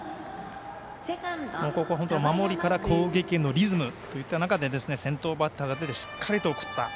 ここは守りから攻撃へのリズムといった中で先頭バッターが出てしっかりと送った。